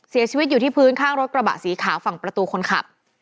เสียชีวิตอยู่ที่พื้นข้างรถกระบะสีขาวฝั่งประตูคนขับ